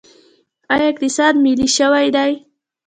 آیا اقتصاد ملي شوی دی؟